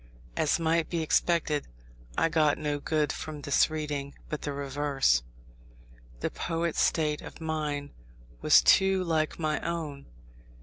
As might be expected, I got no good from this reading, but the reverse. The poet's state of mind was too like my own.